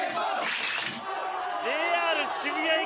ＪＲ渋谷駅